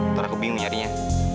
ntar aku bingung nyarinya